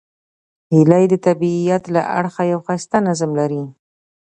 هیلۍ د طبیعت له اړخه یو ښایسته نظم لري